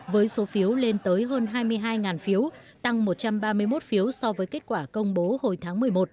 với số phiếu lên tới hơn hai mươi hai phiếu tăng một trăm ba mươi một phiếu so với kết quả công bố hồi tháng một mươi một